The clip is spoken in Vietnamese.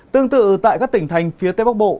tương tự tại các tỉnh thành phía tây bắc bộ